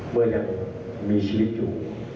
เมื่อยังมีชีวิตอยู่